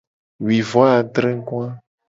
Wuivoadregoa.